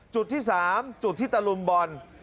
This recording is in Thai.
จุดที่สามจุดที่ตลุมบล